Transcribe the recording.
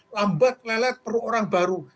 lambat lelet perlu orang baru